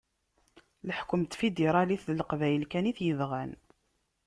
Leḥkem n tfidiralit d Leqbayel kan i t-yebɣan.